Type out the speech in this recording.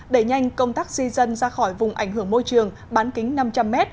đẩy nhanh công tác di dân ra khỏi vùng ảnh hưởng môi trường bán kính năm trăm linh m